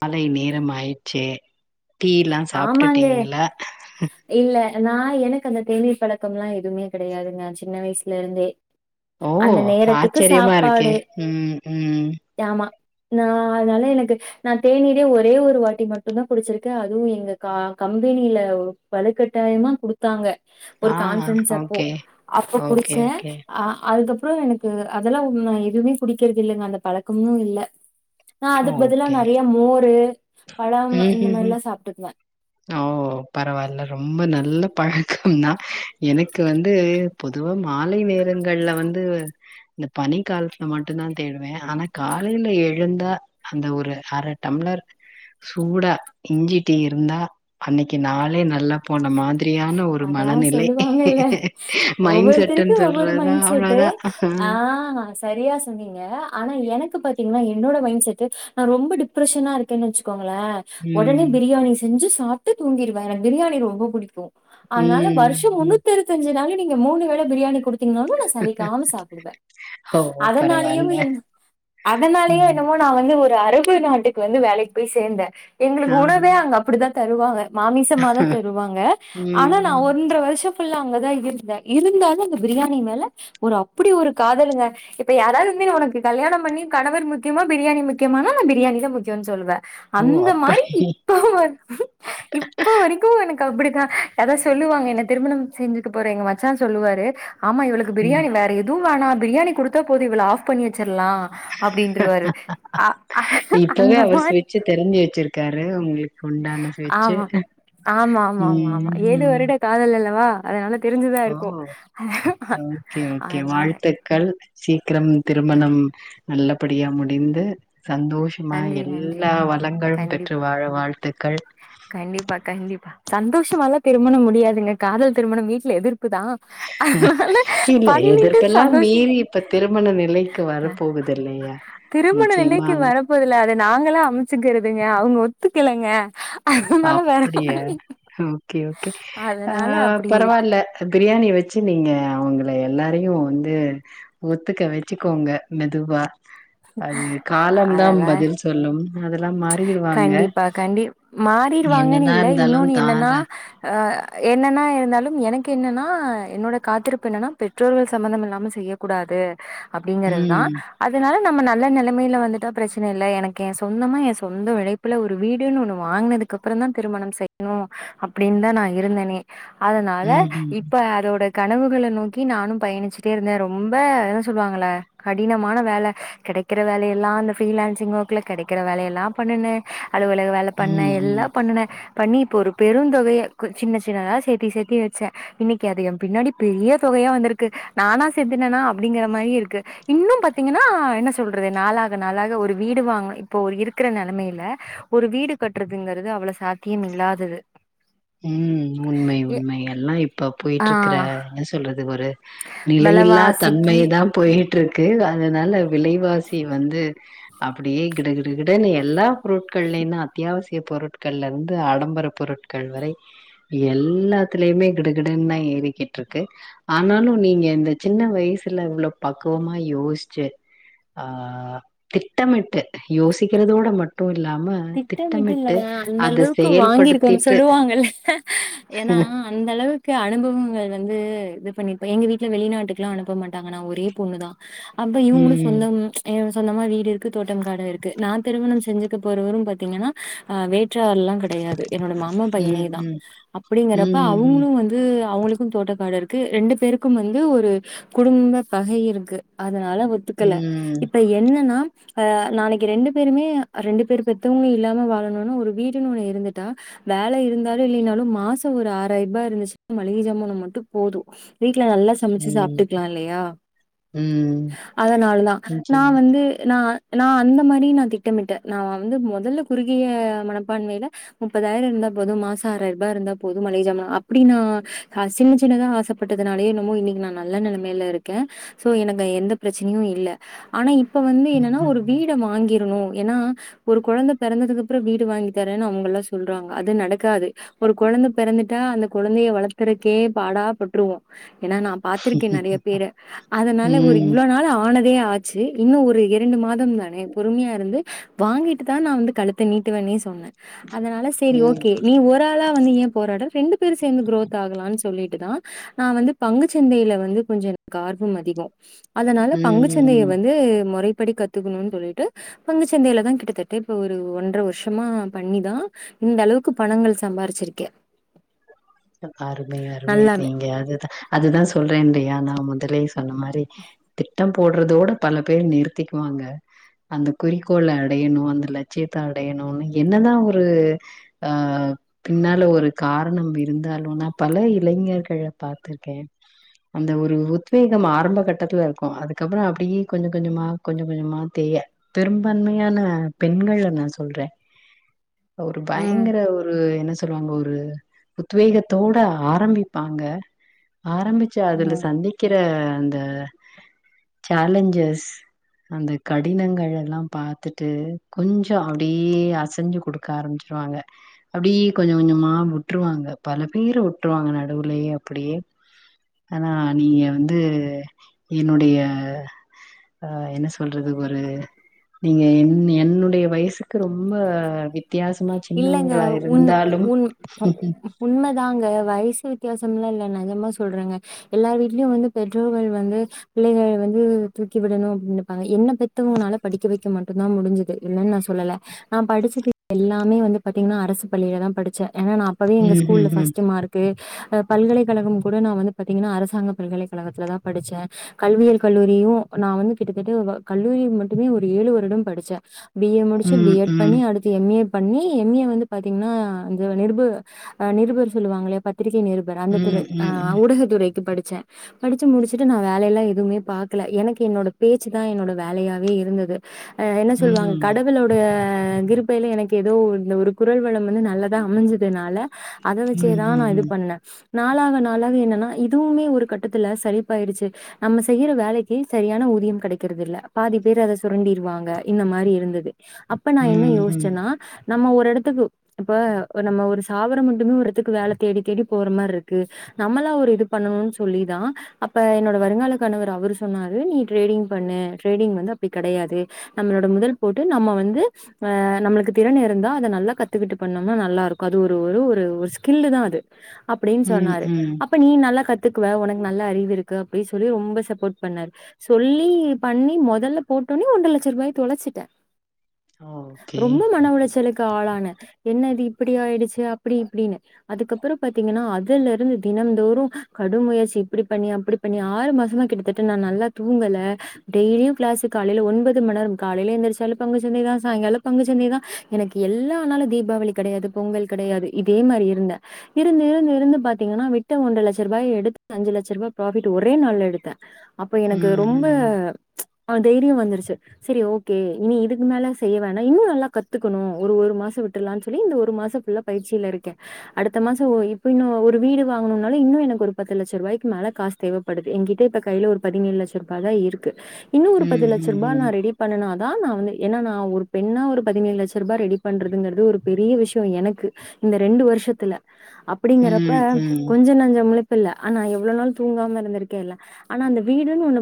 மாலை நேரம்மாயிச்சு டீ லா சாப்டுட்டீங்ளா ஏனா எனக்கந்த தேநீர் பழக்கம்லா எதூமே கெடையாதுங்க சின்ன வயசுலிருந்தே ஓ ஆச்சர்யமா இருக்கே ம் ம் நா அத்னால எனக்கு நா தேநீரே ஒரே ஒரு வாட்டி மட்டுந்தா குடிச்சிருக் க அதூம் எங்க கா கம்பெனில வலுக்கட்டாயமா குடுத்தாங்க ஒர் ஆ கான்ஃபரன்ஸ் அப்போ ஓகே அப்ப ஓகே குடிச்சே ஓகே ஆ அதுகப் ப்றோ எனக்கு அதல்லா ஒன்னு எதூமே குடிக்கிறதில்லைங்க அந்த பழக்கமூ இல்ல ஆ அதுக்கு பதிலா ஓகே நறைய மோரு பழம் ம் இந்த ம் ம் மாரிலா ஓ பரவாயில்ல ரொம்ப நல்ல பழ நா எனக்கு வந்து பொதுவா மாலை வே ங்கள்ல வந்து இந்த பனி காலத்ல மட்டுந்தா தேடுவே ஆனா காலைல எழுந்தா அந்த ஒரு அர டம்ளர் சூடா இஞ்சி டீ இருந்தா அன்னிக்கு நாளே நல்லா போன மாத் அதா சொல்லுவாங்கல்ல மைண்ட் செட்டுன்னு ஒவ்வொருத்தருக்கு ஒவ்வொரு சொல்றதா மைண் செட் அவ்ளோதா ஆஹ சரியா சொன்னீங்க ஆன எனக்கு பாத்தீங்னா என்னோட மைண் செட்டு நா ரொம்போ டிப்ரஷனா இருக்கன் நென்ச்சுக்கோங் லே ஒடனே ம் பிரியாணி செஞ்சு ஸ் சாப்டு தூங்கிருவே [unintelligible] பிரியாணி ரொம்போ புடிக்கூ அத்னால ம் வருஷோ ம் முண்ணூத்திருத்தஞ்சு நாளில் நீங்க மூணு வேள பிரியாணி குடுத் திங்னாலு நா சலிக்காம சாப்டுவே ஓ அதனாலயு பரவால்ல என் அதனாலயோ ம் என்னவோ நா வந்து ஒரு அரபு நாட்டுக்கு வந்து வேலைக்கு போய் சேந்தே எங்களுக்கு ஆ உணவே அங்க அப்படிதன். தருவா அவே மாமிசமாதா தருவாங்க. ம் ஆனா நா ம் ஒன்ற வருஷம் [unintelligible] அங்கதா இருந்தே இருந்தாலும் அந்த பிரியாணி மேல ஒரு அப்டி ஒரு காதலுங்க, இப்ப யாராது வந்து உனக்கு கல்யாணம் பண்ணி கணவர் முக்கியமா பிரியாணி முக்கியமா நா பிரியாணி தா முக்கியோன்னு சொல்லுவே. ஓ அந்த மாரி அப்படி இப்பவு வந் இப்ப வரைக்கூ எனக்கு அப்படித்தான். அதா சொல்லுவாங்க என்ன திருமணம் செஞ்சிக்க போற எங்க மச்சா சொல்லுவாரு ஆமா இவளுக்கு ம் பிரியாணி வேற எதூ லானா பிரியாணி குடுத்தா போதூ இவள ஆஃப் பண்ணி வெச்சர்லா. இப்பவே அந்த அவர் மாரி ஸ்விச்சு தெரிஞ்சி வெச்சிருக்காரு உங்குளுக் ஆமா ஆமா ஆமா ஆமா ஆமா ம் ஏழு ம் வருடக் காதல்லல்லவா அதனாலக் தெரிஞ்சதா இருக்கூ ஓ அதனால ச்சி க்ரம் ஆ திருமணம் நல்லப் ப்படியா முடிந்து சந்தோஷ்மா நன்றி நன்றி எல்லா வளங்களும் பெற்று கண்டிப்பா வாழ வாழ்த் த்துக்கள் கண்டிப்பா கண்டிப்பா சந்தோஷ்மால்லா திருமணம் முடியாதுங்க காதல் திருமணம் வீட்ல எதிர் க்குதா அதனால இல்ல பண்ணிட்டு எதற்கெல்லாம் சந்தோஷம் மீறி இப்ப திருமண நிலைக்கு வரப்போகுது இல்லையா? திருமண நிச்சயமா. நிலைக்கு வரப்போதுல அத நாங்களா அமச்சுக்குறதுங்க அவங்க ஒத் த்துக்கலங்க ஹ் அப்படியா ஓகே ஓகே அதனால அஹ் அப்டி இருக்கு பரவால்ல பிரியாணி வ வெச்சு நீங்க அவங்க எல்லாரையு வந்து ஒத்துக்க வச்சுக்கோங்க மெதுவா. அது காலம் அதெல்லா தாம் பதில் சொல்லும். அதெல்லாம் மாறிடுவாங்க. கண்டிப்பா கண்டி மாறி [inaudible] வாங்கன என்னதான் இல்ல இருந்தாலும் இன்னொன்னு தான் என்னன்னா ர அஹ் என்னன்னா இருந்தாலும் எனக்கு என்னன்னா என்னோட காத்திருப்பு என்னன்னா பெற்றோர்கள் சம்பந்தம் இல்லாம செய்யக்கூடாது. அப்டிங்கறதுதா ம். அதனால நம்ம நல்ல நெலைமையில வந்திட்டா பிரச்சன இல்ல, எனக்கு என் சொந்தமா சொந்த உழைப்பில ஒரு வீடுன்னு ஒண்ணு வாங்கினதுக்கு அப்பறந்தா திருமணம் செய்ணு அப்டீன்னு நா இருந்தனே. அதனால ம்ஹ்ம். இப்ப அதோட கனவுகள நோக்கி நானு பயணிச்சிட்டே இருந்தே ரொம்ப [unintelligible] சொல்லுவாங்கள கடினமான வேல கெடைக்கற வேலையெல்லா அந்த ஃப்ரீலேன்சிங் வொக்கில கெடக்கிற வேலையெல்லா. பண்ணுன அலுவலக வேல பண்ணே ம்ஹ்ம். எல்லா பண்ணுனே பண்ணி இப்போ ஒரு பெருந்தொகைய கொ சின்ன சின்னதா சேத்தி சேத்தி வெச்சே இன்னைக்கு அது எம்பின்னாடி பெரிய தொகையா வந்திருக்கு நானா சேத்துனனா அப்டிங்கற மாரி இருக்கு இன்னு பாத்தீங்கன்னா என்ன சொல்றது நாளாக நாளாக ஒரு வீடு வாங்க இப்போ ஒரு இருக் க்கற நெலமைல ஒரு வீடு கட்றதுங்றது அவ்ளோ சாத்தியம் இல்லாதது. உம் உண்மை உண்மை எல்லா இப்ப ஆ போயிட்ருக்கற என்ன சொல்றது ஒரு நிலையில்லா தன்மை வெலவாசிக்கு தா போயிட்ருக்கு [unintelligible] அதனால விலைவாசி வந்து அப்படியே கிடு கிடு கிடுன்னு எல்லா பொருட்கள்லயு தா அத்தியாவசிய பொருட்கள்லருந்து ஆடம்பர பொருட் கள்வரை எல்லாத்லயுமே கிடு கிடுன் தா ஏறிக்கிட்ருக்கு ஆனாலு நீங்க இந்த சின்ன வயசுல இவ்வளவு பக்குவமா யோசிச்சு ஆஹ் திட்டமிட்டு யோசிக்கிறதோட மட்டு இல்லாம திட்டமிட்டு அத செயல்படுத்தி சொல்லுவாங்கள்ள ஏன்னா அந்த அளவுக்கு அனுபவங்கள் வந்து இது பண்ணிருப்ப எங்க வீட்ல வெளிநாட்டுக்லா அனுப்ப மாட்டாங்க நா ஒரே பொண்ணு தா அப்ப இவுங்ளு ம் சொந்தம் ச் [unintelligible] சொந்தமா வீடு இருக்கு தோட்டம் காடும் இருக்கு நா திருமணம் செஞ்சுக்க ப் போரவரும் பாத்தீங்கன்னா வேற்று [unintelligible] ஆல்லாம் கெடையாது என்னோட மாமா பையனேதா ம் அப்படிங்கறப்ப ம் அவங்களு வந்து [unintelligible] அவங்களுக்கு தோட்ட காடு இருக்கு ரெண்டு பேருக்கும் வந்து ஒரு குடும்ப பகை இருக்கு அத் துனால ஒத்துக்கல ம் இப்ப என்னனா அ நாளைக்கு ரெண்டு பேருமே ரெண்டு பேர் பெத்தவங்க இல்லாம வாழணுனா ஒரு வீடுனு ஒண்ணு இருந்துட்டா வேல இருந்தாலும் இல்லினாலு மாசோ ஒரு ஆறாயிரரூபா இருந்துச்சுன்னா மளிகை சாமன மட்டு போது வீ வீட்ல நல்லா சமைச்சு ம் சாப்பிட்டுக்லா இல்லையா ம் அதனாலதான் நான் நிச்சயமா வந்து நா நா அந்த மாரி நா திட்டமிட்ட நா வந்து மொதல்ல குறுகிய மனப்பான்மைல முப்பதாயிரோ இருந்தா போது மாசோ ஆறாயிர்ரூபா இருந்தா போது மளிக ஜாமா அப்டி நா அ, சின்ன சின்னதா ஆசைப்பட்டதுனாலயோ என்னமோ இன்னைக்கு நா நல்ல நெலமைல இருக்கே சோ எனக்கு எந்த பிரச்சனையு இல்ல ஆனா இப் இப்ப வந்து என்னனா ம் ஒரு வீட வாங்கி னு ஏன்னா ஒரு கொழந்த பெறந்ததுக்கு அப்பறோ வீடு வாங்கி தரேன்னு அவங்கல்லா சொல்றாங்க அது நடக்காது ஒரு கொழந்த பெறந்துட்டா அந்த கொழந்தய வளக்கரக்கே பாடா பட்ருவோ. ஏன்னா நா பாத்திருக்கே நெறைய பேரு அதனால ஒரு ம் இவ்ளோ நாள் ஆனதே ஆச்சு இன்னு ஒரு இரண்டு மாதம் தானே பொறுமையா இருந்து வாங்கிட்டு தா நா வந்து கழுத்த நீட்டுவன்னே சொன்ன. அதனால செரி ம் ஓகே நீ ஒரு ஆளா வந்து ஏ போராட்ற ரெண்டு பேரு சேந்து குரோத் ஆகலான் சொல்லிட்டு தா நா வந்து பங்குச்சந்தைல வந்துக் கொஞ்சோ எனக்கார்வம் அதிகோ அதனால பங்குச்சந்தைய ம் வந்து முறை படி கத்துக்கணுன் சொல்லிட்டு பங்குச் ந்தைல தா கிட்டத்தட்ட இப்ப ஒரு ஒன்ற வர்ஷமா பண்ணிதா இந்தளவுக்கு பணங்கள் சம்பாரிச்சிருக்கே. அருமை அருமை நீங்க அதுதா அதுதா சொல்றேன்லியா நா மொதலே ஸ் அந்த மாரி திட்டம் ஓடறதோட பல பேர் நிறுத்திக்குவாங்க அந்த குறிக்கோள அடையணு அந்த லட்சியத்த அடையணுனு என்னதா ஒரு அஹ், பின்னால ஒரு காரணம் [unintelligible] இருந்தாலும் நா பல இளைஞர்கள்ல பார்த்திருக்கே அந்த ஒரு உத்வேகம் ஆரம்ப கட்டத்துல இருக்கு அதுக்கப்புற அப்டியே கொஞ்ச கொஞ்சமா கொஞ்ச கொஞ்சமா தேய பெரும்பான்மையான பெண்கள் நா சொல்றே ஒரு ம், பயங்கர ஒரு என்ன சொ [unintelligible] ஒரு உத்வேகத்தோட ஆரம்பிப்பாங்க ஆரம்பிச்சு அதுல ம். சந்திக்கிற அந்த சேலஞ்சஸ் அந்த கடினங்கள் எல்லா பாத்துட்டு கொஞ்ச அப்டியே அசைஞ்சு கொடுக்க ஆரம்பிச்சிருவாங்க அப்டியே கொஞ்ச கொஞ்சமா உட்டுருவாங்க பல பேரு உட்டுருவாங்க நடுவுலேயே அப்படியே ஆனா நீங்க வந்து என்னுடைய ஆ என்ன சொல்றது ஒரு நீங்க என் என்னுடைய வயசுக்கு ரொம்ப வித் வித்தியாசமா சின்னவங்களா இருந்தாலும் உண்ம தாங்க வயசு வித் வித்தியாசமெல்லாம் இல்ல நெஜமா சொல்றாங்க எல்லா வீட்லயும் வந்து பெற்றோர்கள் வந்து பிள்ளைகள் வந்து தூக்கி விடணும் அப்டி நெனைப்பாங்க என்ன பெத்தவங்கனால படிக்க வைக்க மட்டும்தான் முடிஞ்சது இல்லைன்னு நான் சொல்லல நான் படிச்சது எல்லாம் [unintelligible] வந்து பாத்தீங்கன்னா அரசு பள்ளியில தான் படிச்சே ஏன்னா நா அப்பவே எங்க ஸ்கூல்ல ம்ஹ்ஹ்ம். ஃபர்ஸ்ட் மார்க்கு பல்கலைக்கழகம் கூட நா வந்து பாத்தீங்கன்னா அரசாங்க பல்கலைக்கழகத்தில தா படிச்சே கல்வியியல் கல்லூரியு நா வந்து கிட்டத்தட்ட கல்லூரி மட்டுமே ஒரு ஏழு வருடம் படிச்சே பிஏ முடிச்சு ம், பிஎட் ம். பண்ணி அடுத்து எம்ஏ பண்ணி எம் ஏ வந்து பாத்தீங்கன்னா நிருபு ஆ நிருபர் சொல்லுவாங்களா பத் பத்திக்கை நிருபர் அந்த துறை ம், ஆ ம், ம். ஊடகத்துறைக்கு படித் டிச்சே படிச்சு முடிச்சுட்டு நா வேலைய எல்லா எதுவுமே பாக்கல எனக்கு என்னோட பேச்சு தா என்னோட வேலையாவே இருந்தது ஆஹ் என்ன சொல்லுவாங்க ம். கடவுளோட அ கிருபைல எனக் எதோ இந்த ஒரு குரல் வளம் வந்து நல்லதா அமஞ்சதுனால அத வச்சேதா நா இது ம்ஹ்ஹ்ம். பண்ணே நாளாக நாளாக என்னன்னா இதுவுமே ஒரு கட்டத்தில்ல சரிப்பாயிடுச்சு நம்ம செய்யுற வேலக்கி சரியான ஊதியம் கெடைக்கிறதுல்ல பாதி பேர் அத சுரண்டிருவாங்க இந்த மாரி இருந்தது அப்ப நா என்ன ம்ஹ்ம். யோசிச்சன்னா நம்ம ஒரு எடத்துக்கு இப்ப நம்ம ஒரு சாவரமட்டுமே ஒரு இடத்துக்கு வேல தேடி தேடி போற மாரி இருக்கு நம்மளா ஒரு இது பண்ணணும்னு சொல்லிதா அப்ப என்னோட வருங்கால கணவர் அவரு சொன்னாரு நீ ட்ரேடிங் பண்ணு ட்ரேடிங் வந்து அப்டி கெடையாது நம்மளோட முதல் போட்டு நம்ம வந்து ஆ நம்மளுக்கு திறன் இருந்தா அத நல்லா கத்துக்கிட்டு பண்ணோம்னா நல்லா இருக்கோ அது ஒரு ஒரு ஒரு ஒரு ஒரு ஸ்கில்லு தா அது அப்டின்னு ம், ம். ம், ம், ம். ம் சொன்னாரு ம் அப்ப நீ நல்லா கத்துக்குவ உனக்கு நல்ல அறிவு இருக் க அப்டி சொல்லி ரொம்ப சப்போட் பண்ணாரு சொல்லி பண்ணி மொதல்ல போட்டோனே ஒன்றர லட்சரூபாய தொலைச்சிட்டேன் ஹோகே ன உளச்சலுக்கு ஆளான என்னது இப்டி ஆயிடுச்சு அப்டி இப்டின்னு அதுக்கப்புறம் பாத்தீங்கன்னா அதுலருந்து தினம்தோறும் கடும்முயற்சி இப்டிபண்ணி அப்டிபண்ணி ஆறுமாசமா கிட்டத்தட்ட நா நல்லா தூங்கல டெய்லியும் கிளாஸ்சு காலைல ஒன்பதுமணரம் காலைல எழுந்துருச்சி பங்குசந்தை தா சாங்காலம் பங்குச சநீதா எனக்கு எல்லா நாளு தீபாவளி கடையாது பொங்கல் கடையாது இதே மாரி இருந்தன் இருந்து இருந்து இருந்து பாத்தீங்கன்னா விட்ட ஒன்ற லட்சரூபாய எடுத்து அஞ்சு லட்ச ரூபாய் ப்ராஃபிட் ஒரே நாள்ல எடுத்தே அப்ப எனக்கு ரொம்ப ம்ஹ்ம். அ தெய்ரியம் வந்துருச்சு சரி ஓகே இனி இதுக்கு மேல செய்ய வேணா இன்னு நல்லா கத்துக்குனும் ஒரு ஒரு மாசம் விட்டுர்லாம்னு சொல்லி இந்த ஒரு மாசம் ஃபுல்லா பயிற்சியில இருக்கே அடுத்த மாசம் ஒ இப்ப இன்னும் ஒரு வீடு வாங்குனும்னாலு இன்னு எனக்கு ஒரு பத்து லட்சரூவாய்க்கு மேல காஸ் தேவைப்படுது எங்க்கிட்ட இப்ப கையில ஒரு பதினேழு லட்ச ரூவாய் தா இருக்கு இன்னு ஒரு பத்து லட்ச ரூபா நா ம்ஹ்ஹ்ம். ரெடி பண்ணுனா தா நா வந்து என்னா நா ஒரு பெண்ணா ஒரு பதினேழு லட்ச ரூபா ரெடி பண்றதுங்கிறது ஒரு பெரிய விஷ்யம் எனக்கு இந்த ரெண்டு வருஷத்துல அப்படிங்கறப்ப ம், ம். கொஞ்சம் நஞ்சம் ப்பல்ல ஆனா எவ்ளோ நாள் தூங்காம இருந்திருக்கே இல்ல ஆனா அந்த வீடுன்னு ஒண்ணு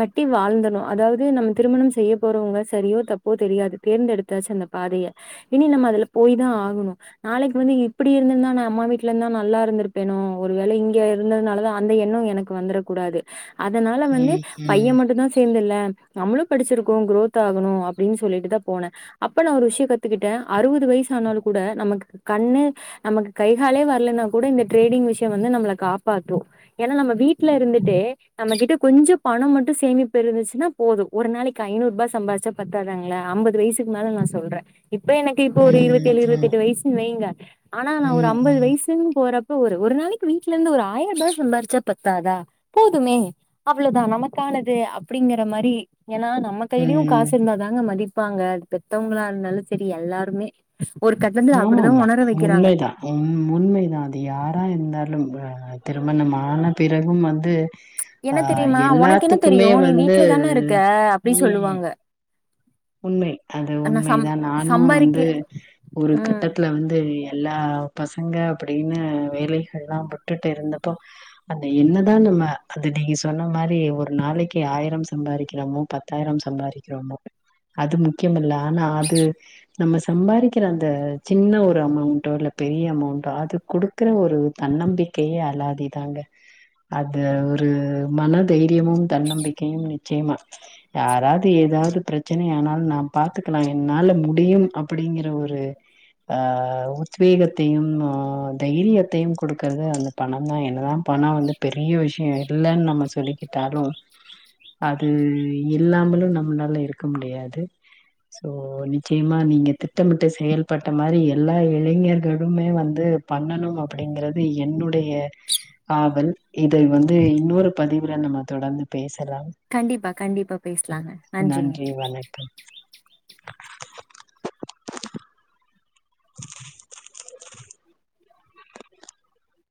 கட்டி வாழ்ந்தணு அதாவது நம்ம திருமணம் செய்ய போறவங்க சரியோ தப்போ தெரியாது தேர்ந்தெடுத் அந்த பாதையை இனி நம்ம அதுல போய் தா ஆகணு நாளைக்கு வந்து இப்டி இருந்தந்தா நா அம்மா வீட்டுல இருந்தா நல்லா இருந்திருப்பேனோ ஒரு வேளை இங்க இருந்ததுனாலதா அந்த எண்ணம் எனக்கு வந்துட கூடாது அதனால வந்து ம், ம். பையன் மட்டும் தான் சேர்ந்து இல்ல நம்மளு படிச்சிருக்கோ குரோத் ஆகணு அப்டின்னு சொல்லிட்டு தா போனே அப்ப நான் ஒரு விஷயம் கத்துக்கிட்டேன் அறுபது வயசு ஆனாலும் கூட நமக்கு கண்ணு நமக்கு கைகாலே வரலைனா கூட இந்த ட்ரேடிங் விஷயம் வந்து நம்மளை காப்பாத்தும் ஏன்னா நம்ம வீட்டுல இருந்துட்டு நம்மகிட்ட கொஞ்சம் பணம் மட்டும் சேமிப்பு இருந்துச்சுன்னா போதும் ஒரு நாளைக்கு ஐநூறு ரூபாய் சம்பாதிச்சா பத்தாதாங்களே ஐம்பது வயசு க்கு மேல நா சொல்றே இப்ப எனக்கு இப்ப ம், ம். ஒரு இருபத்தி ம், ஏழு இருபத்தி ம். எட்டு வயசுன்னு வைங்க ஆனா நா ம். ஒரு ம் ஐம்பது வயசுன்னு போற ஒரு ஒரு நாளைக்கு வீட்டு்ல இருந்து ஒரு ஆயிரம் ரூபா சம்பாரிச்சா பத்தாதா போதுமே அவ்வளோதா நமக்கானது அப்டிங்கற மாரி ஏன்னா நம்ம ம் கையிலயு ம் காசு இருந்தாதாங்க மதிப் ப்பாங்க பெத்தவங்களா இருந்தாலு செரி எல்லாருமே ஒரு கட்டத்துல ஆமா அப்டிதா ஆமா உணர வைக்கிறாங்க உண்மைதான் உ உண்மைதான் அது யாரா இருந்தாலும் ஆ [unintelligible] திருமணமான பிறகும் வந்து என்ன ஆஹ் தெரியுமா உனக்கு என்ன எல்லாத்துக்குமே தெரியும் நீ வந்து வீட்ல தானே இருக்க அப்படி சொல்லுவாங்க உண்மை அது நான் சம் உண்மைதான் நானும் வந்து சம்பாதிக்கிற ஒரு ம் கட்டத்துல வந்து எல்லா பசங்க அப்படின்னு வேலைகள்ல்லாம் விட்டுட்டு இருந்தப்போ அந்த என்னதான் நம்ம அது நீங்க சொன்ன மாரி ஒரு நாளைக்கு ஆயிரம் சம்பாதிக்கிறோமோ பத்தாயிரம் சம்பாதிக்கிறோமோ அது முக்கியமல்ல ஆனா அது நம்ம சம்பாதிக்கிற அந்த சின்ன ஒரு அமௌண்ட்டோ இல்ல பெரிய அமௌண்ட்டோ அது குடுக்குற ஒரு தன்னம்பிக்கையே அலாதிதாங்க அது ஒரு மனதைரியமும் தன்னம்பிக்கையும் நிச்சயமா யாராவது ஏதாவது [unintelligible] பிரச்சின ஆனால் நா பாத்துக்கலா என் னால முடியும் அப்படிங்கிற ஒரு ட்ரை ஆஹ் உத்வேகத்தையும் ம் தைரியத்தையும் கொடுக்கறது அந்த பணம் தான் என்னதான் பணம் வந்து பெரிய விஷயம் இல்லைன்னு நம்ம சொல்லிக்கிட்டாலும் அது இல்லாமலும் நம்மளால இருக் முடியாது சோ நிச்சயமா நீங்க திட்டமிட்டு செயல்பட்ட மாதிரி எல்லா இளைஞர்களுமே வந்து பண்ணணும் அப்படிங்கறிறது என்னுடைய ஆவல் இதை வந்து இன்னொரு பதிவுல நம்ம தொடர்ந்து பேச கண்டிப்பா கண்டிப்பா பேசலாங்க நன்றிங்க ஜ வணக்கம் [inaudible] [inaudible]